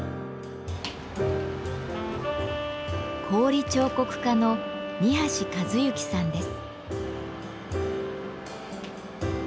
氷彫刻家の二一幸さんです。